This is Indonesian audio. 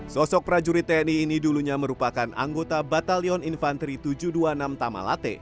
sosok prajurit tni ini dulunya merupakan anggota batalion infanteri tujuh ratus dua puluh enam tamalate